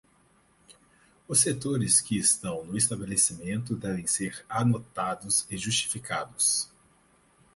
Os setores que estão no estabelecimento devem ser anotados e justificados.